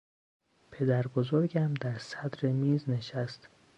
پدربزرگم در صدر میز نشست.